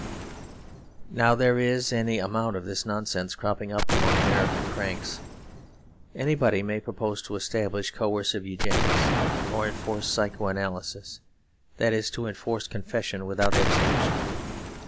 Now there is any amount of this nonsense cropping up among American cranks. Anybody may propose to establish coercive Eugenics; or enforce psychoanalysis that is, enforce confession without absolution.